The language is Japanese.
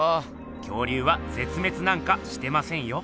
恐竜はぜつめつなんかしてませんよ。